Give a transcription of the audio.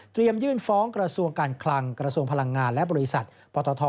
ยื่นฟ้องกระทรวงการคลังกระทรวงพลังงานและบริษัทปตท